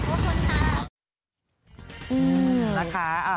ขอบคุณจ้าของทุกคนค่ะ